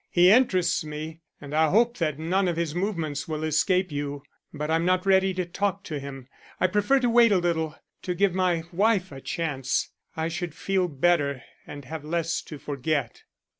He interests me and I hope that none of his movements will escape you. But I'm not ready to talk to him. I prefer to wait a little; to give my wife a chance. I should feel better, and have less to forget."